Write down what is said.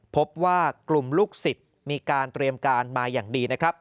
พบว่ากลุ่มลูกศิษย์มีการเตรียมการมาอย่างดีนะครับ